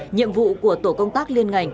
nhiệm vụ của tổ công tác liên ngành